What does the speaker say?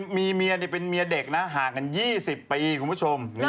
มีเมียเป็นเมียเด็กนะห่างกัน๒๐ปีคุณผู้ชม